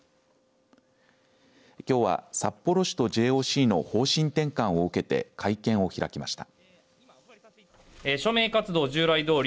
きょうは札幌市とＪＯＣの方針転換を受けて会見を開きました。